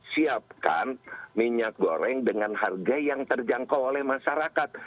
siapkan minyak goreng dengan harga yang terjangkau oleh masyarakat